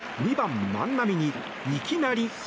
１回表２番、万波にいきなり。